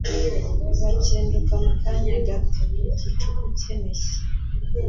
bakinduka mu kanya gato, igicuku kinishye